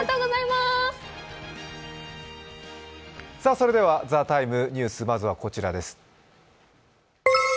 それでは「ＴＨＥＴＩＭＥ，ニュース」まずはこちらです。